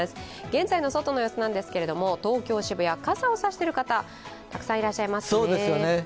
現在の外の様子ですが東京・渋谷、傘を差している方たくさんいらっしゃいますね。